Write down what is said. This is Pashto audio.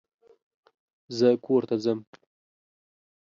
زه کورته ځم.